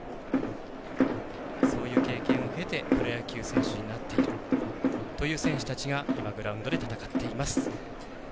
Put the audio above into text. そういう経験を経てプロ野球選手になっているという選手たちが今グラウンドで戦っています。